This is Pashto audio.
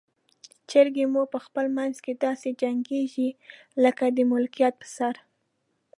چرګې مو په خپل منځ کې داسې جنګیږي لکه د ملکیت پر سر.